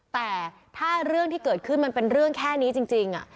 แต่ถ้าเรื่องที่เกิดขึ้นมันเป็นเรื่องแค่นี้จริง